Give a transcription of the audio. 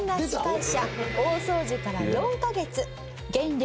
大掃除から４カ月減量